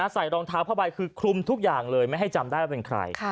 ใส่รองเท้าผ้าใบคือคลุมทุกอย่างเลยไม่ให้จำได้ว่าเป็นใคร